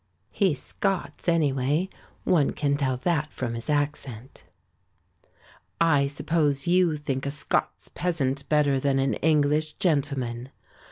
"He's Scots anyway; one can tell that from his accent." "I suppose you think a Scots peasant better than an English gentleman."